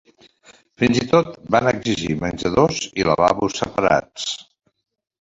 Fins i tot van exigir menjadors i lavabos separats.